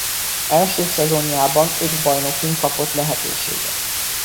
Első szezonjában öt bajnokin kapott lehetőséget.